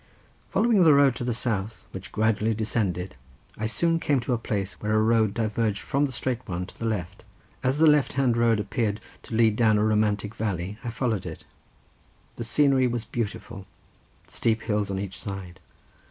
Following the road to the south, which gradually descended, I soon came to a place where a road diverged from the straight one to the left. As the left hand road appeared to lead down a romantic valley I followed it. The scenery was beautiful—steep hills on each side.